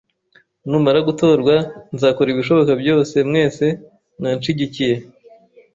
Numara gutorwa, nzakora ibishoboka byose mwese mwanshigikiye.